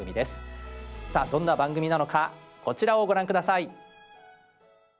さあどんな番組なのかこちらをご覧下さい。